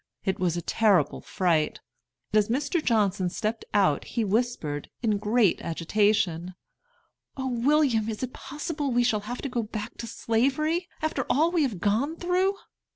It was a terrible fright. As Mr. Johnson stepped out he whispered, in great agitation, "O William, is it possible we shall have to go back to Slavery, after all we have gone through?"